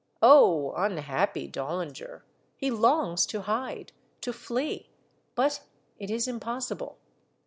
Oh, unhappy Dollinger ! he longs to hide, to flee, but it is impossible.